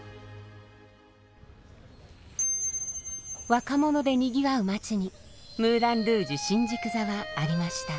若者でにぎわう街にムーラン・ルージュ新宿座はありました。